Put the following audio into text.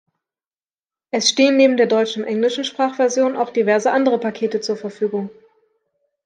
Es stehen neben der deutschen und englischen Sprachversion auch diverse andere Pakete zur Verfügung.